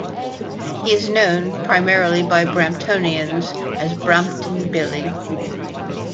He is known, primarily by Bramptonians, as "Brampton Billy".